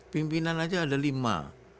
pimpinan aja ada lima